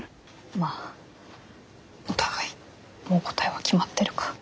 まあお互いもう答えは決まってるか。